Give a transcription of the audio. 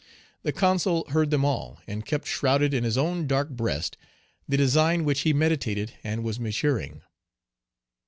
The Consul heard them all, and kept shrouded in his own dark breast the design which he meditated and was maturing.